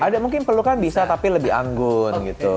ada mungkin pelukan bisa tapi lebih anggun gitu